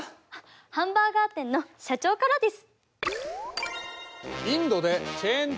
ハンバーガー店の社長からです。